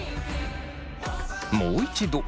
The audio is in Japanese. もう一度。